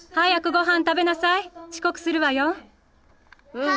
うん。